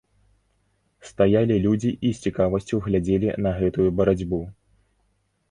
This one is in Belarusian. Стаялі людзі і з цікавасцю глядзелі на гэтую барацьбу.